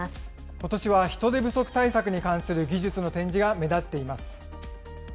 ことしは人手不足対策に関する技術の展示が目立っています。